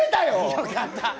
よかった！